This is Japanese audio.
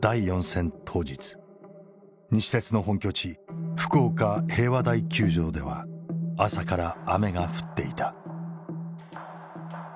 西鉄の本拠地福岡平和台球場では朝から雨が降っていた。